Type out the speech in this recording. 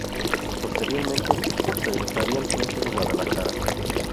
Posteriormente regresaría al frente de Guadalajara.